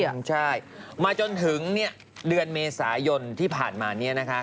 ก็รอสิใช่มาจนถึงเนี่ยเดือนเมษายนที่ผ่านมานี้นะคะ